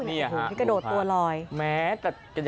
ที่กระโดดตัวลอย